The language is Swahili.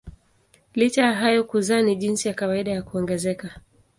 Licha ya hayo kuzaa ni jinsi ya kawaida ya kuongezeka.